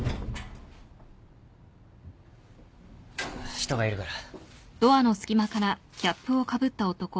人がいるから。